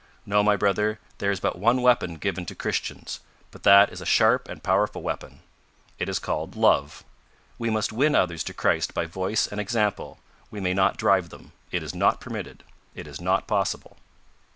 No, my brother; there is but one weapon given to Christians, but that is a sharp and powerful weapon. It is called Love; we must win others to Christ by voice and example, we may not drive them. It is not permitted. It is not possible."